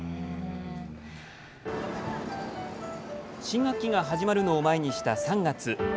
新学期が始まるのを前にした、３月。